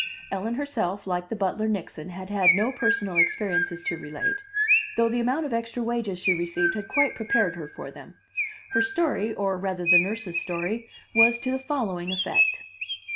Ellen herself, like the butler, Nixon, had had no personal experiences to relate, though the amount of extra wages she received had quite prepared her for them. Her story, or rather the nurse's story, was to the following effect.